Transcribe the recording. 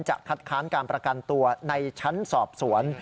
คัดค้านการประกันตัวในชั้นสอบสวน